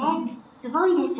すごいでしょ？